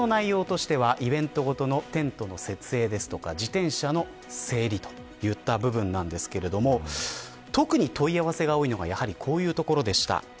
仕事の内容としてはイベント事のテントの設営ですとか自転車の整理といった部分なんですが特に問い合わせが多いのがやはりこういうところでした。